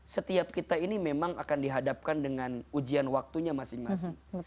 setiap kita ini memang akan dihadapkan dengan ujian waktunya masing masing